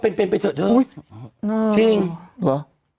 ฟังลูกครับ